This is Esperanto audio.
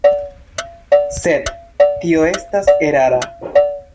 Sed tio estas erara.